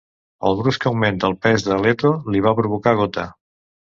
El brusc augment de pes de Leto li va provocar gota.